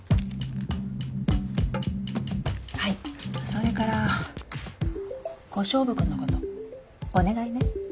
それから小勝負君のことお願いね。